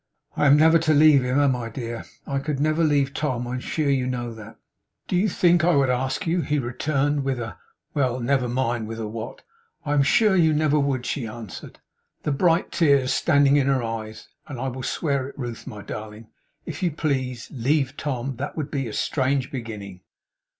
'I am never to leave him, AM I, dear? I could never leave Tom. I am sure you know that.' 'Do you think I would ask you?' he returned, with a well! Never mind with what. 'I am sure you never would,' she answered, the bright tears standing in her eyes. 'And I will swear it, Ruth, my darling, if you please. Leave Tom! That would be a strange beginning.